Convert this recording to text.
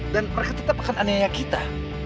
dan mereka tetap akan anehnya kita